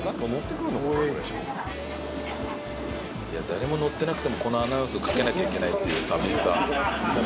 誰も乗ってなくてもこのアナウンスかけなきゃいけないっていう寂しさ。